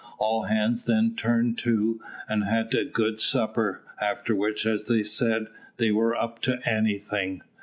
All hands then turned to and had a good supper, after which, as they said, they were up to anything.